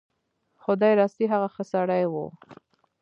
خدای راستي هغه ښه سړی و.